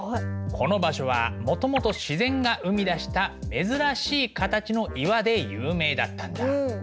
この場所はもともと自然が生み出した珍しい形の岩で有名だったんだ。